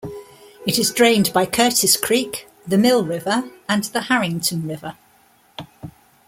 It is drained by Curtis Creek, the Mill River and the Harrington River.